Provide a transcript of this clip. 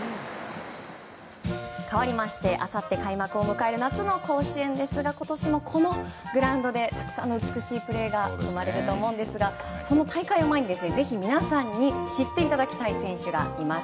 かわりましてあさって開幕を迎える夏の甲子園ですが今年もこのグラウンドでたくさんの美しいプレーが生まれると思うんですがその大会を前にぜひ皆さんに知っていただきたい選手がいます。